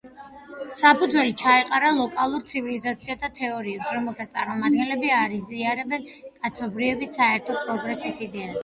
საფუძველი ჩაეყარა ლოკალურ ცივილიზაციათა თეორიებს, რომელთა წარმომადგენლები არ იზიარებენ კაცობრიობის საერთო პროგრესის იდეას.